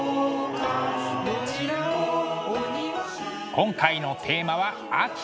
今回のテーマは「秋」。